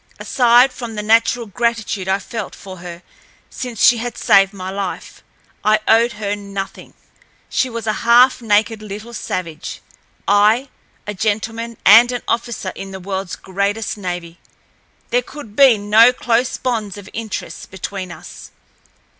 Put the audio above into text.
Aside from the natural gratitude I felt for her since she had saved my life, I owed her nothing. She was a half naked little savage—I, a gentleman, and an officer in the worldl's greatest navy. There could be no close bonds of interest between us.